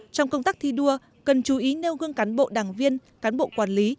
trong công tác thi đua cần chú ý nêu gương cán bộ đảng viên cán bộ quản lý